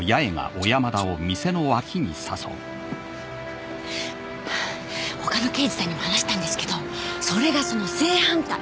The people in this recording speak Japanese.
ちょっちょっとほかの刑事さんにも話したんですけどそれがその正反対